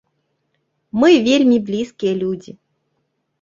Мы вельмі блізкія людзі.